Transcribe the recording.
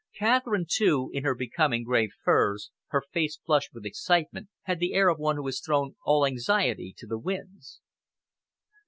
Catherine, too, in her becoming grey furs, her face flushed with excitement, had the air of one who has thrown all anxiety to the winds.